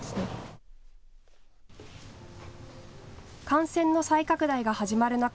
感染の再拡大が始まる中、